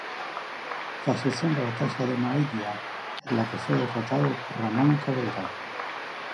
Falleció en la Batalla de Maella, en la que fue derrotado por Ramón Cabrera.